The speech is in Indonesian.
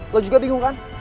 lo juga bingung kan